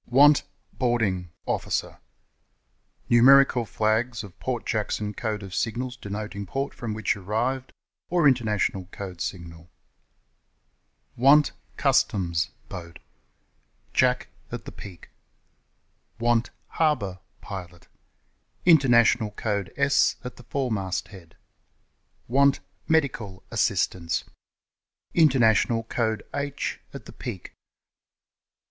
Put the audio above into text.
Want Boarding Officer Numerical flags of Port Jackson Code of signals denoting port from which arrived, or International Code Signal. Ō¢ĀJack at the peak. Internatidual code S at the foremast head. Want Medical Assistance International code H at the peak.